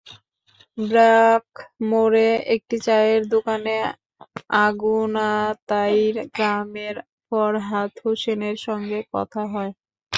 ব্র্যাক মোড়ে একটি চায়ের দোকানে আগুনাতাইর গ্রামের ফরহাদ হোসেনের সঙ্গে কথা হয়।